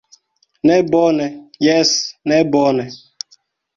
Ne bone, jes, ne bone.